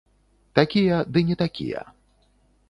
Такія, ды не такія.